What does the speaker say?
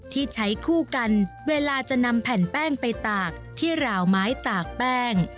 ที่ใช้คู่กันเวลาจะนำแผ่นแป้งไปตากที่ราวไม้ตากแป้ง